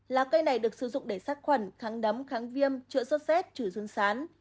lá cây này được sử dụng để sát khuẩn kháng đấm kháng viêm chữa sốt xét chữa dương sán